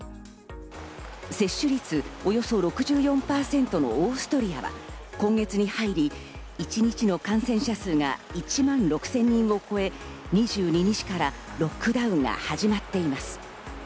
接種率およそ６４％のオーストリアは今月に入り一日の感染者数が１万６０００人を超え２２日からロックダウンが始まっています。